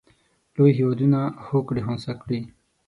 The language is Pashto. لوی هېوادونه هوکړې خنثی کړي.